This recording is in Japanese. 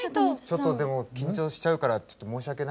ちょっとでも緊張しちゃうから申し訳ないよ。